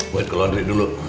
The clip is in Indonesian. buat ke laundry dulu